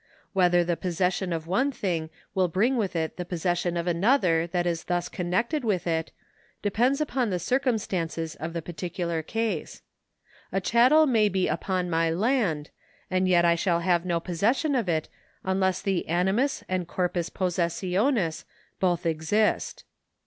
Whether the possession of one thing will bring with it the possession of another that is thus connected with it depends upon the circumstances of the particular case. A chattel may be upon my land, and yet I shall have no posses sion of it unless the animus and corpus possessionis both exist.